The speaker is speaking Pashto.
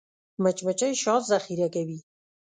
مچمچۍ شات ذخیره کوي